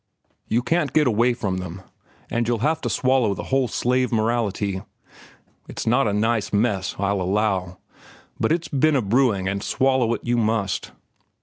You can't get away from them, and you'll have to swallow the whole slave morality. It's not a nice mess, I'll allow. But it's been a brewing and swallow it you must.